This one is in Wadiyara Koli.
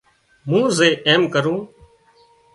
مين زي ايم ڪريون